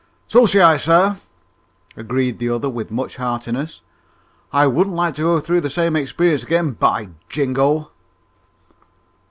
"So say I, sir," agreed the other with much heartiness. "I wouldn't like to go through the same experiences again, by Jingo!"